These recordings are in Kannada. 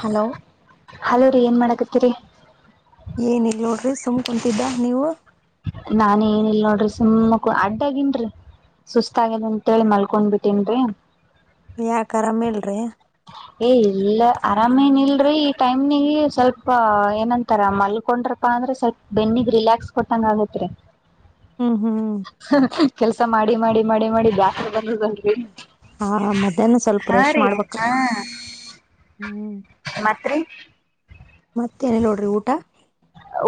ಹಲೋ ಹಲೋ ರೀ ಏನ್ ಮಾಡಗತ್ತೀರಿ ಏನಿಲ್ಲ ನೋಡ್ರಿ ಸುಮ್ ಕುಂತಿದ್ದ ನೀವು ನಾನ್ ಏನ ಇಲ್ ನೋಡ್ರಿ ಸುಮ್ಮಕ್ಕೂ ಅಡ್ಡಗನ್ರಿ ಸುಸ್ತ ಆಗ್ಯದ ಅಂತೇಳಿ ಮಲ್ಕೊಂಡ್ ಬಿಿಟ್ಟೇನ್ರಿ ಯಾಕ್ರೀ ಆರಾಮ್ ಇಲ್ಲರಿ ಏ ಇಲ್ಲ ಆರಾಮೇನ್ ಇಲ್ರರಿ ಈ ಟೈಮ್ನಿಗೆ ಸ್ವಲ್ಪ ಏನಂತಾರ ಮಲ್ಕೊಂಡ್ರಪ ಅಂದ್ರೆ ಸ್ವಲ್ ಬೆನ್ನಿಗ್ ರಿಲ್ಯಾಕ್ಸ್ ಕೊಟ್ಟಂಗ ಆಗತ್ರಿ ಹೂ ಹೂ ಕೆಲ್ಸ ಮಾಡಿ ಮಾಡಿ ಮಾಡಿ ಮಾಡಿ ಬ್ಯಾರಸ ಬಂದದಲ್ರಿ ಹಾ ಮಧ್ಯಾಹ್ನ ಸ್ವಲ್ಪ ಹಾ ರೆಸ್ಟ್ ರೀ ಮಾಡ್ಬೇಕು ಹಾ ಮತ್ರಿ ಮತ್ತ ಏನಲ್ಲ ನೋಡ್ರಿ ಊಟ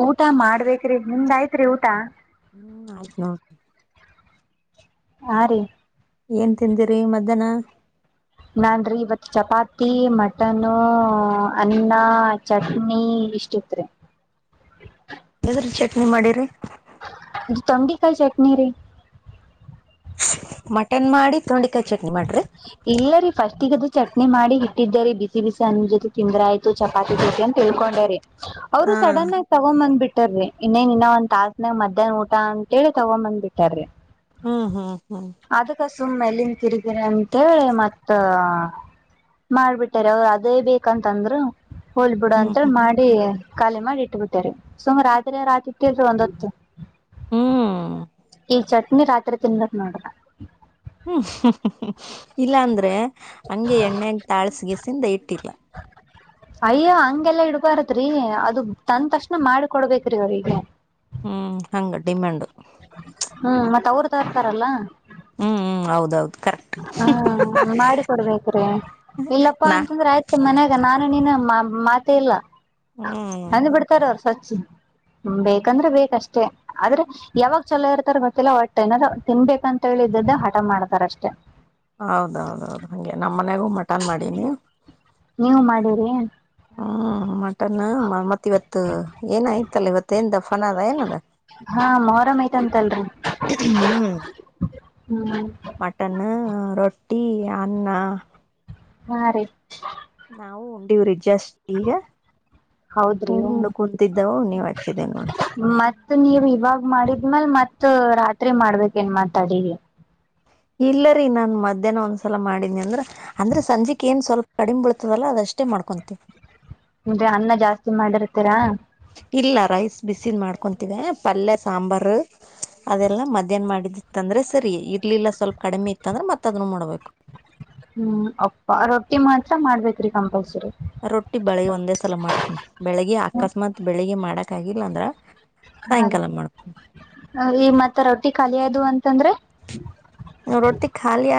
ಊಟ ಮಾಡ್ಬೇಕ್ರಿ ನಿಮ್ದ್ಯ್ತ್ರಿ ಊಟ ಹ್ಮ್ ಆಯ್ತ್ ನೋಡ್ ಹಾ ರೀ ಏನ್ ತಿಂದಿರಿ ಮಧ್ಯಾಹ್ನ ನಾನ್ ರಿ ಇವತ್ ಚಪಾತಿ ಮಟನು ಅನ್ನ ಚಟ್ನಿ ನಿಶ್ಚತ್ ರಿ ಎದ್ರ ಚಟ್ನಿ ಮಾಡಿರಿ ತೊಂಡಿ ಕಾಯಿ ಸೊಪ್ಪುರಿ ಚಟ್ನಿ ರೀ ಮಟನ್ ಮಾಡಿ ತೊಂಡಿ ಇಲ್ಲ ರೀ ಫಸ್ಟ್ ಈಗದು ಚಟ್ನಿ ಮಾಡಿ ಇಟ್ಟಿದ್ದಾರೆ ಬಿಸಿ ಬಿಸಿ ಅನ್ನ ಜೊತೆ ತಿಂದಂದ್ರ ಆಯ್ತು ಚಪಾತಿ ಜೊತೆ ಅಂತ ತಿ ಳ್ಕೊಂಡಾರೆ ಅವರು ಹಾ ಸಡನ್ ಆಗಿ ತಗೊಬಂದ್ಬಿಟ್ಟು ಇಟ್ಟರಿ ಇನ್ನೇನ್ ಇನ್ನ ಒಂದ್ ತಾಸಸ್ನಾಗ ಮಧ್ಯಾಹ್ನ ಊಟ ಅಂತೇಳಿ ತಗೊಂಬಂದ್ ಬಿಟ್ಟಾರ್ರಿ ಹ್ಮ್ ಹ್ಮ್ ಹ್ಮ್ ಸುಮ್ಮಲಿನ ತಿರುಗಿ ಅಂತೇಳಿ ಮತ್ತ ಮಾಡಬಿಟ್ಟಾರೆ ಅವ್ರು ಅದೇ ಬೇಕಂತಂದ್ರು ಹೋಲ್ ಬಿಡ ಅಂತ ಹ್ಮ್ ಹ್ಮ್ ಮಾಡಿ ಖಾಲಿ ಮಾಡಿ ಇಟ್ಬಿಡ್ಟ್ಟಾರೆ ಸುಮ ರಾತ್ರಿ ಹಾಕಿ ತಿಳರಿ ಒಂದತ್ತು ಹ್ಮ್ ಈ ಚಟ್ನಿ ರಾತ್ರಿ ತಿನ್ಬೇಕಕ್ ನೋಡ್ರ ಇಲ್ಲ ಅಂದ್ರೆ ಹಂಗೆ ಎಣ್ಣೆಾ ತಾಳ್ಸ ಗಸಿಂದ ಇಟ್ಟಿಲ್ಲ ಅಯ್ಯೋ ಹಂಗೆಲ್ಲಾ ಇಡ್ಬಾರದ್ರಿ ಅದು ತಂದ ತಕ್ಷಣ ಮಾಡಿಕೊಡ್ಬೇಕ್ರಿ ಅವಿಗೆ ಹೂ ಹಂಗ ಡಿಮ್ಯಾಂಡ್ ಹೂ ಮತ್ತತ್ ಅವರು ತರ್ತಾರಲ್ಲ ಹೂ ಹೂ ಹೌದೌದು ಕರೆಕ್ಟ್ ಹಾ ಮಾಡಿಕೊಡ್ಬೇಕ್ರೀ ಇಲ್ಲಪ್ಪಾ ನಾ ಅಂತಂದ್ರೆ ಆಯ್ತು ಮನ್ಯಾಗ ನಾನು ನೀನು ಮಾತ ಇಲ್ಲ ಹ್ಮ್ ಅಂದ್ ಬಿಡ್ತಾರ ಅವ್ರ ಸ್ವಚ್ ಬೇಕಂದ್ರೆ ಬೇಕಷ್ಟೇ ಆದ್ರೆ ಯಾವಾಗ ಚಲೋ ಇರ್ತಾರ ಗೊತ್ತಿಲ್ಲ ಒಟ್ ಏನಾದಾರರು ತಿನ್ಬೇಕಂತ ಹೇಳ ಇದದ್ದೆ ಹಠ ಮಾಡ್ತಾರ ಅಷ್ಟೇ ಹೌದೌದೌದು ನೀವು ಮಾಡಿರಿ ಹ್ಮ್ ಮಟನ್ ಮತ್ತ ಇವತ್ತು ಏನಾಯ್ತಲ್ಲ ಇವತ್ತ [inaudible] ಫಾನದದ ಹಾ ಮೊಹರಂ ಐತಂತಲ್ರಿ ಹ್ಮ್ ಹ್ಮ್ ಮಟನ್ನು ರೊಟ್ಟಿ ಅನ್ನ ಹಾ ರೀ ನಾವು ಉಂಡಿವ್ರಿ ಜಷ್ಟ ಈಗ ಹೌದ್ರಿ ಹ್ಮ್ ಹೂಂಡ ಕುಂತಿದ್ದವು ನೀವ್ ಹಚ್ಚಿದೇ ನೋಡ್ರಿ ಮತ್ತ್ ನೀವ್ ಇವಾಗ ಮಾಡಿದ್ಮ್ಯಲ್ ಮತ್ ರಾತ್ರಿ ಮಾಡ್ಬೇಕ ಏನ್ ಮಾತಾಡವಿ ಇಲ್ಲ ರೀ ಅಷ್ಟೆ ಮಾಡ್ಕೊಂತೀವಿ ಅಂದ್ರೆ ಅನ್ನ ಜಾಸ್ತಿ ಮಾಡಿರ್ತೀರಾ ಇಲ್ಲ ರೈಸ್ ಬಿಸಿನ ಮಾಡ್ಕೊಂತೀವಿ ಪಲ್ಯ ಸಾಂಬಾರ ಅದೆಲ್ಲಾ ಮಧ್ಯಾಹ್ನ ಮಾಡಿದಿತ್ತ ಅಂದ್ರೆ ಸರಿ ಇರ್ಲಿಲ್ಲ ಸ್ವಲ್ಪ ಕಡಿಮೆ ಇತ್ತ ಅಂದ್ರೆ ಮತ್ತತ್ ಅದನ್ನು ಮಾಡ್ಬಕು ಹ್ಮ್ ಅಪ್ಪ ರೊಟ್ಟಿ ಮಾತ್ರ ಮಾಡ್ಬೇಕೇರಿ ಕಂಪಲ್ [unintelligible] ರೊಟ್ಟಿ ಬೆಳಗ್ ಒಂದೇ ಸಲ ಮಾಡ್ತನಿ ಬೆಳಿಗ್ಗೆ ಅಕಸ್ಮಾತ್ ಬೆಳಿಗೆ ಮಾಡಕ್ ಆಗಲ್ಲ ಅಂದ್ರ ಹಾ ರೀ ಸಾಯಂಕಾಲ ಮಾಡ್ ಈ ಮತ್ತ ರೊಟ್ಟಿ ಖಾಲಿಯದು ಅಂತಂದ್ರೆ ನ ರೊಟ್ಟಿ ಖಾಲಿ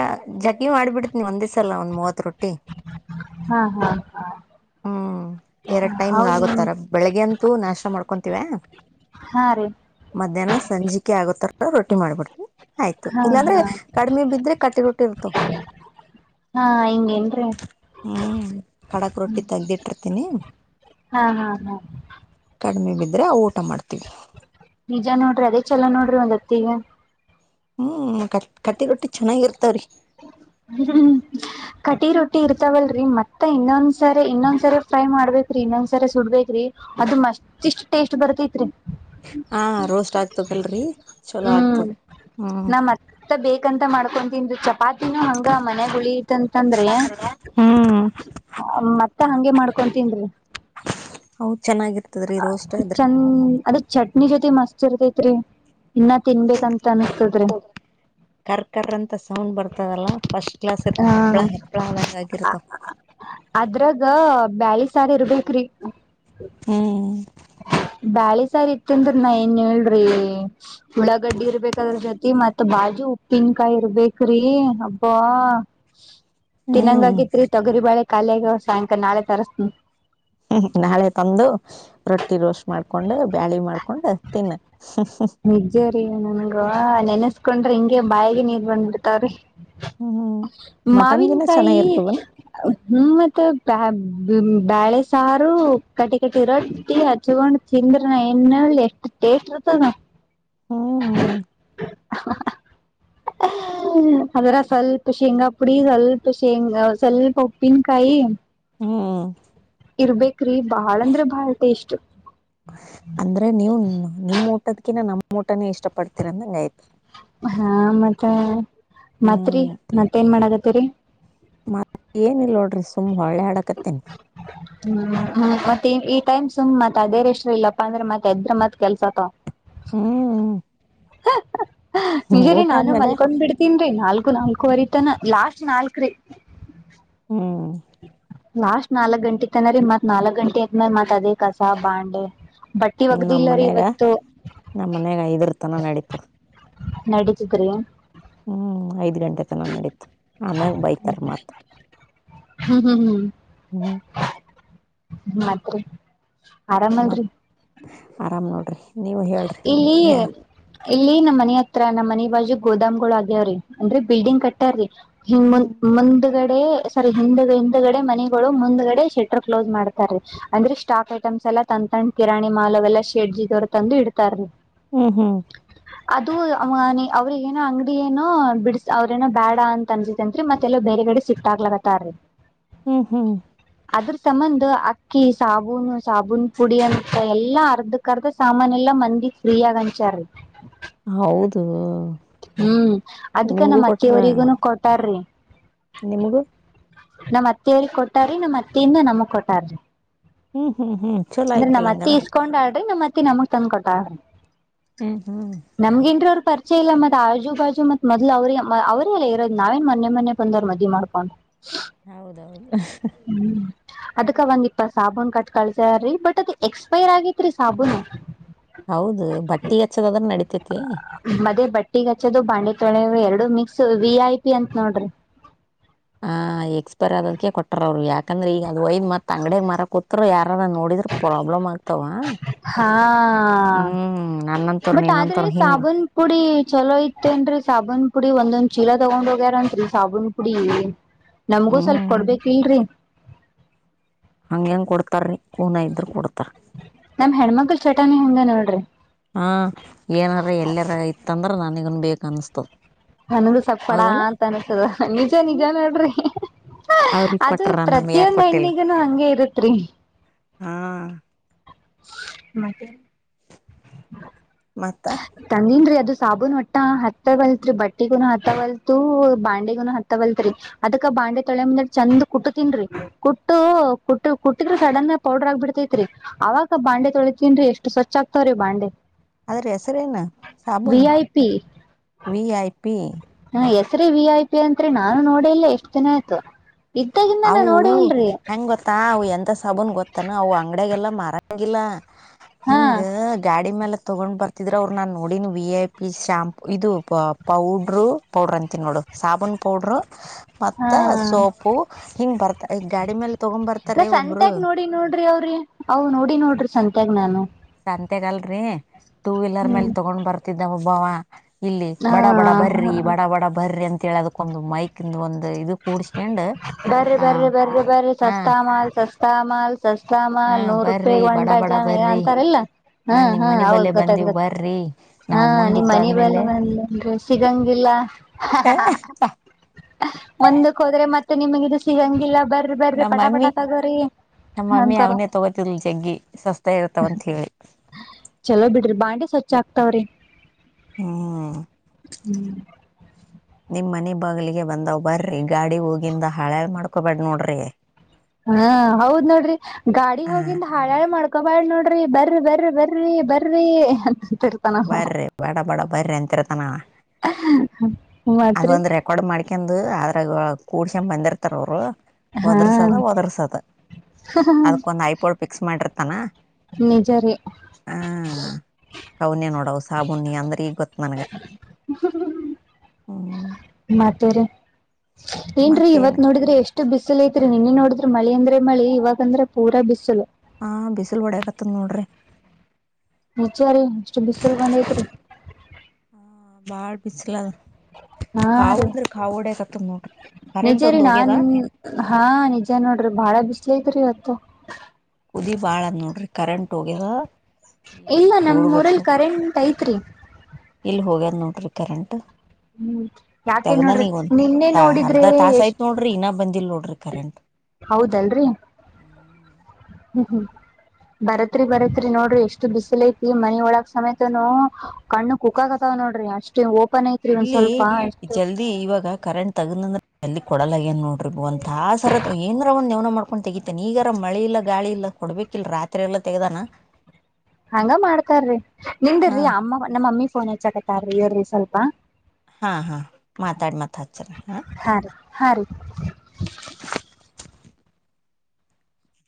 ಜಘೀ ಮಾಡಿಬಿಡ್ತವಿ ನೀ ಒಂದಿಸಲ್ಲ ಒಂದ ಮೂವತ್ ರೊಟ್ಟಿ ಹಾ ಹಾ ಹ್ಮ್ ಎರಡು ಟೈಮ್ಗೆ ಹೌದ ಆಗತ್ತಾರ ಬೆಳಿಗ್ಗೆ ಅಂತೂ ನಾಷ್ಟ ಮಾಡ್ಕೊಂತೀಿವ ಹಾ ರೀ ಮಧ್ಯಾಹ್ನ ಸಂಜಿಕೆ ಆಗೋತ್ತತ್ರ ರೊಟ್ಟಿ ಮಾಡ್ಬಿಡ್ತವಿ ಆಯ್ತು ಹಾ ಇಲ್ಲಾಂದ್ರೆ ಹಾ ಕಡಿಮೆ ಬಿದ್ರೆ ಕಟ್ಟಿ ರಟ್ಟಿರ್ತ ಹ ಹಿಂಗೇ ನ್ರಿೀ ಕಡಕ್ ರೊಟ್ಟಿ ತೆಗ್ದಿಟ್ಟಿರ್ತೀನಿ ಹಾ ಕಡಿಮೆ ಬಿದ್ದ ಆದ್ರೆ ಊಟ ಮಾಡ್ತೀವಿ ನಿಜ ನೋಡ್ರಿ ಅದೇ ಚಲೋ ನೋಡ್ರಿ ಒಂದ್ ಹತ್ತಿಿಗೆ ಹ್ಮ್ ಕಟ್ ಕಟ್ಟಿ ರೊಟ್ಟಿ ಚೆನ್ನಾಗಿರ್ತವ್ರಿ ಹ್ಮ್್ಮ ಕಟಿ ರೊಟ್ಟಿ ಇರ್ತಾವವಲ್ರರಿ ಮತ್ತ ಇನ್ನೊಂದ್ಸರಿ ಇನ್ನೊಂದ್ಸರಿ ಫ್ರೈ ಮಾಡ್ಬೇಕೇ್ರಿ ಇನ್ನೊಂದ್ಸರಿ ಸುಡ್ಬೇಕ್ರಿ ಅದು ಮಸ್ತ್ ಇಷ್ಟ್ ಟೇಸ್ಟ್ ಬರ್ತೈತ್ರಿ ಹಾ ರೋಸ್ಟ್ ಆಗ್ತದ ಅಲ್ರಿ ಚಲೋ ಆಗ್ತದ ಹ್ಮ್ ಂತ ಮಾಡ್ಕೊಂತಂದು ಚ ಿನ ಹಂಗ ಮನೆ ಗುಳಿತಂತಂದ್ರೆ ಹ್ಮ್ ಮತ್ತ ಹಗೆ ಮಾಡ್ ಕೊತೀನ್ೀ ಹೌದು ಚಂದ ಅದ ಚಟ್ನಿ ಜೊತೆ ಮಸ್ತ್ ಇರ್ತೈತ್ರಿ ಇನ್ನ ತಿನ್ಬೇಕಂತ ಅನಸ್ತದ್ರೆ ರ್ತದಲ್ಲ ಫಸ್ಟ್ ಕ್ಲಾಸ್ರ್ಳ ಹೆಪ್ಪಳ ಹಾಗಿರುತ ಅದ್ರಾಗ ಬ್ಯಾಳಿ ಸಾರ ಇರ್ಬೇಕ್ರಿ ಹ್ಮ್ ಬಾಳೆ ಸಾರಿ ಇತ್ತ ಅಂದ್ರ ನಾ ಏನ್ ಹೇಳ್ರಿ ಉಳ್ಳಾಗಡ್ಡಿ ಇರ್ಬೇಕದ್ರ ಜತಿ ಮತ್ ಬಾಜ್ ಉಪ್ಪಿನಕಾಯಿ ಇರ್ಬೇಕ್ರಿ ಹಬ್ಬ ತಿನಂಗ ಹ್ಮ್ ಆಗೇತ್ರಿ ತೊಗರಿ ಬಾಳೆ ಾಲಿಯಾಗ ಸಾಯಂಕಾಲ ನಾಳೆ ತರಸ್ನ ಹ್ಮ ನಾಳೆ ತಂದು ರೊಟ್ಟಿ ರೋಷ್ ಮಾಡ್ಕೊಂಡು ಬ್ಯಾಳಿ ಮಾಡ್ಕೊಂಡು ತಿನ್ನ ನಿಜೆ ರೀ ನನ್ಗ ನೆನೆಸ್ಕೊಂಡ್ರೆ ಹಿಂಗಗೆ ಬಾಯಿಗೆ ನೀರ್ ಬಂದ್ಬಿಡ್ತಾವ್ರಿ ಹಾ ಹಾ ಮಾವನ್ ಕಾಯಿ ಹ ಮತ್ತ ಬೇಳೆ ಸಾರು ಕಟ್ಟಿ ಕಟ್ಟಿ ರೊಟ್ಟಿ ಹಚ್ಕೊಂಡ್ ತಿಂದ್ರ ನ ಏನ್ ಎಷ್ಟ್ ಟೇಸ್ಟ್ ಇರುತ್ತ [inaudible] ಹ್ಮ್ [inaudible] ಹ್ಮ ಅದರ ಸ್ವಲ್ಪ ಶೇಂಗಾ ಪುಡಿ ಸ್ವಲ್ಪ ಶೇಂಗ ಸ್ವಲ್ಪ ಉಪ್ಪಿನಕಾಯಿ ಹ್ಮ್ ಇರ್ಬೇಕ್ರಿ ಬಾಳಂದ್ರ ಬಾಳ್ ಟೇಸ್ಟ್ ಅಂದ್ರೆ ನೀವು ನಿಮ್ ಊಟದ್ಕಿನ ನಮ್ಮ್ ಊಟನೇ ಇಷ್ಟ ಪಡ್ತೀರಂದಂಗ ಆಯ್ತು ಹಾ ಮತ್ತೆ ಮತ್ರಿ ಮತ್ತೇನ್ ಮಾಡಗತ್ತೇರಿ ಮತ್ತ ಏನಲ್ ನೋಡ್ರಿ ಸುಮ ಒಳ್ಳೆ ಆಡಕತ್ತೇನ್ ಹ್ಮ್ ಹ್ಮ್ ಮತ್ತ ಈ ಈ ಟೈಮ್ ಸುಮ್ ಮತ್ ಅದೇರ್ ಇಷ್ಟ್ರ ಇಲ್ಲಪ್ಪಾ ಅಂದ್ರ ಮತ್ ಎದ್ರ ಮತ್ ಕೆಲ್ಸತ್ತ ಹ್ಮ್ ಹ್ಮ ನಿಜ ರೀ ನಾನು ಮಲ್ಕೊಂಡ್ ಬಿಡ್ತೀನ್ ರೀ ನಾಲ್ಕು ನಾಲ್ಕೂವರೆತಾನ ಲಾಸ್ಟ್ ನಾಲ್ಕ ರೀ ಹ್ಮ್ ಲಾಸ್ಟ್ ನಾಲ್ಕ್ ಗಂಟೆ ಇತ್ತನರರಿ ಮತ್ ನಾಲ್ಕ್ ಗಂಟೆ ಆಐತ್ ಮರಿ ಮತ್ ಅದೇ ಕಸ ಬಂಡ್ಲಿ ಬಟ್ಟಿ ನಮ್ ಒಗಲೀಲ್ಲರಿ ಮನ್ಯಾಗ ಇವತ್ತು ನಮ್ ಮನ್ಯಾಗ ಐದರ್ತನ ನಡೀತು ನಡೀತಿದ್ರಿ ಹ್ಮ್ ಐದ್ ಗಂಟೆ ತನ ನಡೀತು ಆಮ್ಯಾಗ ಬೈತಾರ ಮತ್ ಹ್ಮ್ ಹ್ಮ್ ಹ್ಮ್ ಹ್ಮ್ ಮತ್ ರೀ ಆರಾಮಲ್ರಿ ಮತ್ ಆರಾಮ್ ನೋಡ್ರಿ ನೀವು ಹೇಳ್ರಿ ಇಲ್ಲಿ ಏನ ಇಲ್ಲಿ ನಮ್ಮ ಮನ ಹತ್ರ ನಮ್ಮ ಮನಿ ಬಾಜು ಗೋದಾಮ್ಗಳಗಳು ಆಗ್ಯಾವ್ರಿ ಅಂದ್ರೆ ಬಿಲ್ಡಿಂಗ್ ಕಟ್ಟ್ಯವ್ರೀ ಇನ್ಮ್ದು ಹ್ಮ್ ಮಂದಗಡ ಸ ಹ್ಗಡೆ ಮನಗಳು ಮುಂದ್ಗಡೆ ಶಟರ್ ಕ್ಲೋಸ್ ಮಾಡ್ತಾರೆ ಅ್ರ ಸ್ಟಾಕ್ ಐಟಮ್ಸ್ ಲ್ಲ ತಂಡ್ ಕಿರಾಣಿ ಮಾಲ ಅವೆಲ್ಲಾ ಶೇಡ್ಜಿ ದವ್ರು ತಂದು ಇಡ್ತಾರೀ ಹ್ಮ ಹಾ ಅದುನ ಅವ್ರಗ ಏನೋ ಅಂಗಡಿಯಏನೋ ಬಿಡಸ ಅವ್ರೇನೋ ಬೇಡ ಅಂತ ಅನ್ಸತೆನ್ತ್ರಿ ಮತ್ತೆಲ್ಲ ಬೇ ಈಗಡೆ ಶಿಫ್ಟ್ ಆಗ್ಲತ್ತ ರೀ ಹ್ಮ್ ಹ್ಮ್ ಅದ್ರ ಸಂಬಂದ ಅಕ್ಕಿ ಸಾಬೂನು ಸಾಬೂನ್ ಪುಡಿ ಅಂತಂತ ಎಲ್ಲಾ ಅರ್ಧಕ್ ಅರ್ಧ ಸಾಮನ್ಯಲ್ಲ ಮಂದಿ ಫ್ರೀಯಗಂಚಾರ ಹೌದು ಹ್ಮ್ ಅದ್ಕ ನಿಮ್ಗೂ ನಮ್ಮ್ ಕೊಟ್ರ ಅತ್ತೆಯವರಿಗೂನು ಕೊಟಾರ್ರಿ ನಿಮಗೂ ನಮ್ ಅತ್ತಿಯ್ರ ಕೊಟಾರಿ ನಮ್ಮ್ ಅತ್ತಿಯಿಂದ ನಮಗ್ ಕೊಟ್ಟಾರ್ರಿ ಹ್ಮ್ ಹ್ಮ್ ಹ್ಮ್ ಚಲೋ ಅಂದ್ರೆ ನಮ್ ಆಯ್ತಲ್ಲ ಅತ್ತಿ ಹಂಗಾರ ಇಸ್ಕೊಂಡಾಳ್ರಿ ನಮ್ ಅತ್ತೆ ನಮಗ್ ತಂದ್ ಕೊಟ್ಟ ಹ್ಮ್ ಹ್ಮ್ ಪರಿಚೆ ಇಲ್ಲ ಮತ್ತತ್ ಆಜು ಬಾಜು ಮತ್ ಮೊದ್ಲು ಅವ್ರ ಅವ್ರಲ್ಲ ಇರೋ್ ನಾವೇನ್ ಮನೆ ಮನೆ ಬಂದ್ ಮದಿ ಮಾಡ್ಕೊಂಡ್ ಹೌದೌದು. ಅದಕ ಒಂದ್ ಇಪ್ಪತ್ ಸಾಬೂನ್ ಕಟ್ ಕಳ್ಸಾರಿ ಬಟ್ ಅದ ಎಕ್ಸ್ಪೈರ್ ಆಗೇತ್ರಿ ಸಾಬೂನು. ಹೌದು ಬಟ್ಟಿ ಹಚ್ಚದಾದ್ರೆ ನಡಿತೇತಿ ಒಟ್ಟಿಗ್ ಹಚ್ಚೋದು ಬಾಂಡೆ ತೊಳೆ ಎರಡು ಮಿಕ್ಸ್ ವಿ ಐ ಪಿ ಅಂತ ನೋಡ್ರಿ ಹ ಎಕ್ಸ್ಪೈರ್ ಆದದಕ ಕೊಟ್ರ ಅವರು ಯಾಕಂದ್ರೆ ಈಗ ಅದ ಒಯದ್ ಮತ್ ಅಂಗಡಗ್ ಮರ ಕೊತ್ರು ಯಾರ ಆರ ನಾ ನೋಡಿದ್ರೆ ಪ್ರಾಬ್ಲಮ್ ಆಗ್ತಾವ ಹಾ ಹ್ಮ್ ನನ್ನಂತವ್ರ ಬಟ್ ಆದ್ರೆ ನೀನಂತವ್ರ ಹಿಂಗ್ ಸಾಬೂನ್ ಪುಡಿ ಚಲೋ ಐತೆನ್ರರಿ ಸಾಬೂನ್ ಪುಡಿ ಒಂದೊಂದು ಚೀಲ ತಗೊಂಡ್ ಹೋಗ್ಯಾರತ್ರಿ ಸಾಬೂನ್ ಪುಡಿ ನಮಗೂ ಸ್ವಲ್ಪ ಹ್ಮ್ ಕೊಡ್ಬೇಕ ಇಲ್ರರಿ ಹಂಗ ಹೆಂಗ ಕೊಡ್ತಾರೀ ಕೂನ ಇದ್ರರು ಕೊಡ್ತಾರ ನಮ ಹೆಣ್ಮಕ್ಳ ಚಟನಾ ಅಂಗ್ ನೋಡ್ರಿ. ಹ್ಮ್ಮ್ ಏನಾರ ಎಲ್ಲಾರ ಇತ್ತಂದ್ರ ನನ್ಗನ್ ಬೇಕ ಅನ್ಸ್ತದ. ನನಗು ಸ್ವಲ್ಪ ಕೊಡ ಹೌದಲ್ಲ ಅಂತ ಅನಿಸ್ತದ ನಿಜ ನಿಜ ನೋಡ್ರಿ. ಅವ್ರಿಗೆ ಅದು ಕೊಟ್ರ ನಮ್ ಯಾಕ ಪ್ರತಿಯೊಂದ ಹೆಣ್ಣಿಗನು ಅಂಗೆ ಇರುತ ರಿ. ಹ್ಮ್ಮ್. ಮತ್ತೆ. ಮತ್ತ ತನ್ನನ. ಅದು ಸಾಬೂನ್ ಒಟ್ಟ ಹತ್ತ ವಲತ ಬಟ್ಟಿಗು ಹತ್ತ ವಲ್ತು ಬಾಂಡೆಗು ಹತ್ತ ವಲ್ತು ರಿ ಅದ. ಬಾಂಡೆ ತೊಳೆ ಮುಂದ ಚಂದ್ ಕುಟ್ಟತನ್ರಿ ಕುಟ್ಟು ಕುಟ್ಟ ಕುಟ್ಟಿದ್ರ ಸಡನ್ ಪೌಡರ್ ಆಗಿ ಬಿಡ್ತೈತ್ರಿ. ಅವಾಗ ಬಾಂಡೆ ತೊಳಿತೀನ್ ಎಷ್ಟು ಸ್ವಚ ಆಗ್ತವ್ರೀ ಬಾಂಡೆ. ಆದದ್ರೆ ಹೆಸರೇನು ವಿ ಸಾಬೂನು I P V I P. [unintelligible] V I P ಅಂತ ರಿ ನಾನು ನೋಡಿಲ್ಲ ಎಷ್ಟ್ ದಿನ ಆಯ್ತು. ಇದ್ದಾಗಿಂದ ನಾ ಅವು ನೋಡೇ ಇಲ್ರಿ ಹೆಂಗ್ ಗೊತ್ತ ಅ ಎಂತ ಸಬನ್ ಗೊತ್ತಾನ ಅವು ಅಂಗ್ಡಾಗಲ್ಲ ಮರಂಗಿಲ್ಲ. ಹಾ ಹಿಂಗ ಗಾಡಿ ಮೇಲ. ತೊಗೊಂಡ್ ಬರ್ತಿದರ ಅವರು ನಾನ್ ನೋಡಿ ವಿ ಐ ಪಿ ಶಾಂಪು ಇದು ಪೌಡ್ರು ಪೌಡ್ರ ಅಂತಿ ನೋಡು. ಸಾಬನ್ ಪೌಡ್ರು ಹಾ ಮತ್ತ ಸೋಪು. ಹಿಂಗ್ ಬರ್ತ ಈ ಗಾಡಿ ಮೇಲೆ ತಗೊ ನಾ ಬರ್ತಾರೀ ಒಬ್ರು. ಸಂತ್ಯಾಗ ನೋಡಿ ನೋಡ್ರಿ ಅವ್ರಿ ಅವ್ ನೋಡಿ ನೋಡ್ರಿ ಸಂತ್ಯಾಗ ನಾನು ಅಂತಗಲ್ರರಿ ಟೂ ವೀಲರ್ ಮೇಲೆ ಹ್ಮ್ ತಗೊಂಡ್ ಬರ್ತಿದ್ದಾವ ಒಬ್ಬವ. ಇಲ್ಲಿ ಬಡ ಬಡ ಬರ್ರಿ ಹ ಬಡ ಬಡ ಬರ್ರಿ ಅಂತ ಹೇಳದಕ್ಕೊಂದು ಮೈಕ್ ಇಂದು ಒಂದು ಇದು. ಕೂಡ್ಸ್ಕೊಂಡ್ ಬರರಿ ಆ ಬರರಿ ಬನರಿ ಬರರಿ ಹ ಸಸ್ತಾ ಮಾಲ್ ಸಸ್ತಾ ಮಾಲ್. ಸಸ್ತಾ ಹ ಮಾಲ್ ನೂರು ಬರ್ರಿ ರೂಪಾಯಿಗ್ ಒಂದ್ ಬಡ ಬಡ ಡಜನ್ ಏನ್ ಬರ್ರಿ ಅಂತಾರಲ್ಲ. ಹ ಹ್ಮ್ಮ್ ನಿಮ್ ಹ್ಮ್ಮ್ ಮನಿ ಹೌದ್ ಬಲ್ಲೆ ಹೊತದಂಗ ಬಂದಿವ್ ಬರ್ರಿ ನಾವ್ ನಿಮ್ ಮುಂದಕ್ ಮನೆ ಆದ್ಮೇಲೆ ಬೆಲ್ಲವಂದ ಸಿಗಂಗಿಲ್ಲ. ಮುಂದಕ್ಕೆ ಹೋದ್ರೆ ಮತ್ತೆ ನಿಮಗ ಇ ಸಿಗಂಗಿಲ್ಲ. ಬರಿ ಬರಿ ನಮ್ಮ ಪಟಪಟ ಮಮ್ಮಿ ತಗೋರಿ. ನಮ್ಮ ಮಮ್ಮಿ ಅಂತಾರ ಅವನಾ ತಗೋತಿದಿಲ್ ಜಗ್ಗಿ ಸಸ್ತ ಇರ್ತಾವಂತ ಹೇಳಿ. ಚಲೋ ಬಿಡ್ರಿ ಬಾಂಡೆ ಸ್ವಚ್ಛ ಆಗ್ತಾವ್ರಿ ಹ್ಮ್ ಹ್ಮ. ನಿಮ್ ಮನೆ ಬಾಗಿಲಿಗೆ ಬಂದ ಬರಿ ಗಾಡಿ ಹೋಗಿಂದ ಹಾಳಾಳ್ ಮಾಡ್ಕೊಬ್ಯಾಡ್ ನೋಡ್ರಿ. ಹಾ ಹೌದ್ ನೋಡ್ರಿ ಗಾಡಿ ಹ ಹೋಗಿಂದ ಹಾಳಾಳೆ ಮಾಡ್. ಕಬಾಳ ನೋಡ್ರಿ ಬರಿ ಬರರಿ ಬರರಿ ಬರ್ರಿ. ಅಂತಿರ್ತಾನ ಬರ್ರಿ ಬಡ ಬಡ ಬರ್ರಿ ಅಂತಿರತಾನ ಅವ. ಅದ ಮತ್ರಿ ಒಂದ್ ರೆಕಾರ್ಡ್ ಮಾಡ್ಕೊಂಡ ಅದ್ರಾಗ ಕೂಡಸಾಕೊಂಡು ಬಂದಿರ್ತಾರ ಅವರು. ಹಾ ಒದರ್ಸದ ಒದರ್ಸದ ಅದಕೊಂದ್ ಐಪೋಲ್ ಫಿಕ್ಸ್ ಮಾಡಿರ್ತಾನ. ನಿಜ ರಿ. ಅವನೇ ನೋಡವು ಸಾಬೂನ ಅಂದ್ರ ಈಗ ಗೊತ್ತು ನನಗೆ. ಹ್ಮ್ ಮತ್ತೇರಿ ಏನ್ರೀ ಇವತ್ ಮತ್ತೇನು ನೋಡಿದ್ರೆ ಎಷ್ಟು. ಇಷ್ಟು ಬಿಸಿಸಿಲು ಐತ್ರಿ ನಿನ್ನೆ ನೋಡಿದ್ರ ಮಳೆ ಅಂದ್ರ ಮಳೆ ಇಗ ಅಂದ್ರೆ ಪೂರ ಬಿಸಲು. ಹ್ಮ್ಮ್ ಬಿಸಿಲ್ ಒಡಕತ್ತದ ನೋಡ್ರಿ. ನಿಜ ರೀ ಎಷ್ಟು ಬಿಸಲು ಬಂದ ಐತ್ರಿ. ಹ ಬಾಳ್ ಬಿಸಲ ಹಾ ಕಾವ ರೀ ಅಂದ್ರೆ ಕಾವೋಡ ಕತ್ತ ನೋ ನಿಜ ರೀ ನಾನ್ ಹಾ ನಿಜ ನೋಡ್ರಿ ಬಾಳ ಬಿಸ್ಲ ಐತ್ರಿ ಇವತ್ತು ಕುದಿ ಬಾಳದ್ ನೋಡ್ರಿ ಕರೆಂಟ್ ಹೋಗ್ಯದ ಏನ್ ಇಲ್ಲ ನಮ ಕೂಡು ಊರಲ್ಲಿ ಬಡ್ಸೋದು ಕರೆಂಟ್ ಐತ್ರಿ ಇಲ್ಲಿ ಹೋಗದ್ ನೋಡ್ರಿ ಕರೆಂಟ್. ಹ್ಮ್ ಯಾಕೆ ನೋಡ್ರಿ ತಗ್ದಾನಿಗ ಒಂದ್ ನಿನ್ನೆ ಒಂದ್ ನೋಡಿದ್ರೆ ಅರ್ಧ ತಾಸ ಆಯ್ತ ಎಷ್ಟ್ ನೋಡ್ರಿ ಇನ್ನ ಬಂದಿಲ್ ನೋಡ್ರಿ. [unintelligible] ಹೌದಲ್ರಿ ಹ್ಮ್ ಹ್ಮ್ ಹ್ಮ್. ಬರತ್ರಿ ಬರತ್ರಿ ನೋಡ್ರಿ ಎಷ್ಟು ಬಿಸಿಲ ಐತಿ ಮನೆ ಒಳಗ ಸಮೇತನು ಕಣ್ಣು ಕುಕ್ಕಾಗತ. ನೋಡ್ರಿ ಅಷ್ಟ. [unintelligible] ಇಲ್ಲಿ ಜಲ್ದಿ ಇವಾಗ ಕರೆಂಟ್ ತಗದ್ಂದ್ರ. ಅಲ್ಲಿ ಕೊಡಲ ಈಗ ನೋಡ್ರಿ ಒಂದ್ ತಾಸರ ಏನರ ಒಂದ್ ಯವನ ಮಾಡ್ಕೊಂಡ್ ತೆಗಿತೇನೆ ಈಗಾರ ಮಳೆ ಇಲ್ಲ ಗಾಳಿ ಇಲ್ಲ. ಕೊಡ್ಬೇಕಿಲ್ ರಾತ್ರಿ ಎಲ್ಲ ತೆಗ್ದಾನ. ಹಂಗ ಮಾಡ್ತಾರ್ರಿ ನಿಂದ ಹಾ ರಿ ಅಮ್ಮ ನಮ್ಮ ಮಮ್ಮಿ ಫೋನ್ ಹೆಚ್ಚಕತಾರಿ ಇರಿ ಸ್ವಲ್ಪ. ಹಾ ಹಾ ಮಾತಾಡಿ ಮಾತ್ ಹಚ್ಚರಿ ಹಾ ಹಾರ